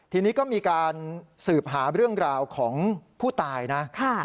ทีนี้ก็มีการสืบหาเรื่องราวของผู้ตายนะ